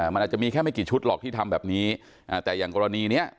มันอาจจะมีแค่ไม่กี่ชุดหรอกที่ทำแบบนี้แต่อย่างกรณีเนี้ย